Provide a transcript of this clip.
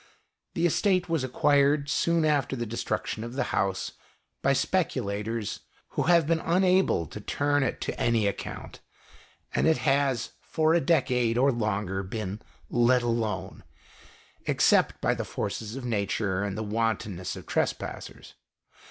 The estate was acquired, soon after the destruction of the house, by speculators who have been unable to turn it to any account, and it has for a decade or longer been " let alone," except by the forces of Nature and the wanton ness of trespassers.